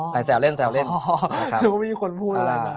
อ๋ออ๋อแต่แสวเล่นแสวเล่นอ๋อครับหรือว่าไม่มีคนพูดอะไร